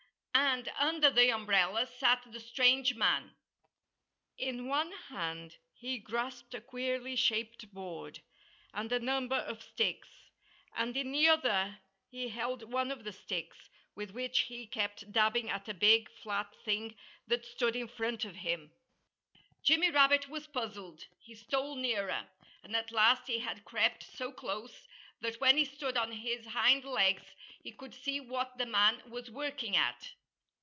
And under the umbrella sat the strange man. In one hand he grasped a queerly shaped board, and a number of sticks; and in the other he held one of the sticks, with which he kept dabbing at a big, flat thing that stood in front of him. Jimmy Rabbit was puzzled. He stole nearer. And at last he had crept so close that when he stood on his hind legs he could see what the man was working at.